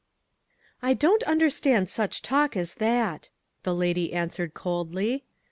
"I don't understand such talk as that," the lady answered coldly.